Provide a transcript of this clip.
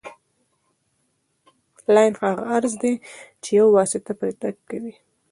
لاین هغه عرض دی چې یوه واسطه پرې تګ کوي